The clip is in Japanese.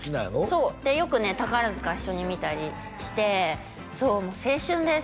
そうでよくね宝塚一緒に見たりしてそう青春です